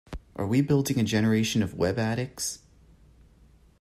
Are we building a generation of web addicts?